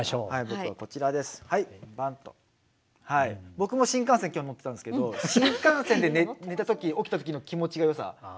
僕も新幹線今日乗ってたんですけど新幹線で寝たとき起きたときの気持ちの良さ。